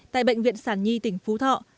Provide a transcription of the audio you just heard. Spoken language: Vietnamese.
tại bệnh viện sản nhi tỉnh phú thọ